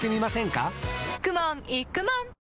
かくもんいくもん